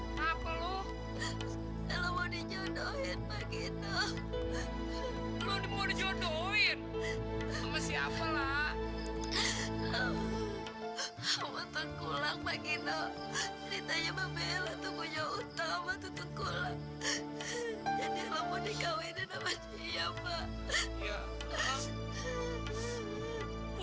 lalu mau dijodohin lagi no jodohin siapa lah